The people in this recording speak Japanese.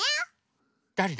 だれだ？